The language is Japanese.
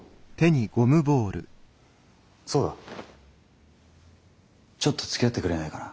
そうだちょっとつきあってくれないかな？